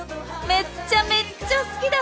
めっちゃめっちゃ好きだ！